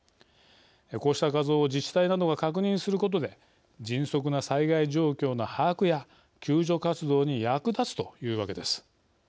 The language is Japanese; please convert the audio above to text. こうした画像を自治体などが確認することで迅速な災害状況の把握や救助活動に役立つというわけです。